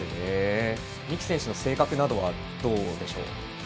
三木選手の性格などはどうでしょうか？